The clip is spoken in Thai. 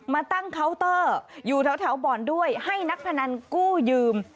มาตั้งเคาน์เตอร์อยู่แถวบ่อนด้วยให้นักพนันกู้ยืม